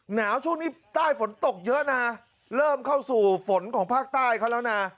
หนาวช่วงนี้ใต้ฝนตกเยอะนะเริ่มเข้าสู่ฝนของภาคใต้เขาแล้วนะ